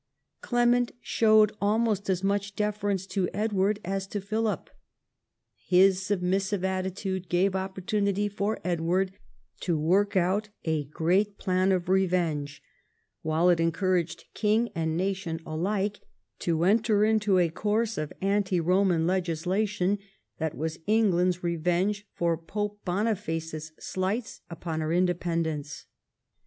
Clement showed almost as much deference to Edward as to Philip. His submissive attitude gave opportunity for Edward to work out a great plan of revenge, while it encouraged king and nation alike to enter into a course of anti Roman legislation that was England's revenge for Pope Boni face's slights upon her independence.